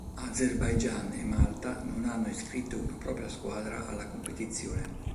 Azerbaigian e Malta non hanno iscritto una propria squadra alla competizione.